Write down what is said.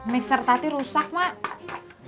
mixer tadi rusak mak